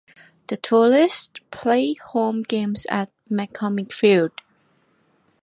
The Tourists play home games at McCormick Field.